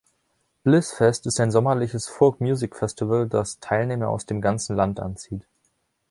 Blissfest ist ein sommerliches Folk Music-Festival, das Teilnehmer aus dem ganzen Land anzieht.